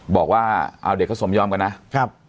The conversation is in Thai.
บอกว่าเอาเด็กเขาสมยอมกันนะครับ